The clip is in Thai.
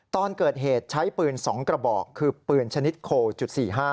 ตอนเกิดเหตุใช้ปืน๒กระบอกคือปืนชนิดโคลจุด๔๕